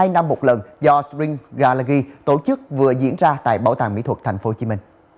hai năm một lần do spring gallery tổ chức vừa diễn ra tại bảo tàng mỹ thuật tp hcm